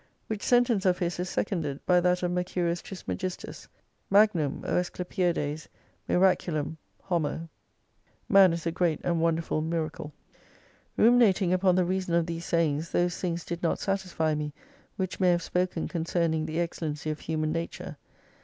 "Which sentence of his is seconded by that of Mercurius Trismegistus, Magnum, O Asclepiades^ Miracuhtm, Homo ; Man is a great and wonderful miracle. Ruminating upon the reason of these sayings, those things did not satisfy me, which many have spoken concerning the excellency of Human Nature.